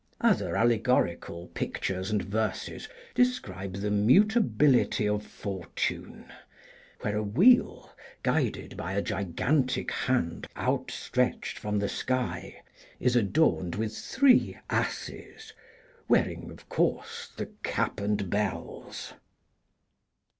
Other allegorical pictures and verses describe the mutability of fortune, where a wheel, guided by a gigantic hand outstretched from the sky, is adorned with three asses, wearing of course the cap and bells.